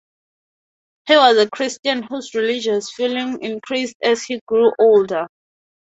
He was a Christian whose religious feeling increased as he grew older.